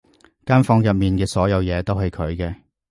間房入面嘅所有嘢都係佢嘅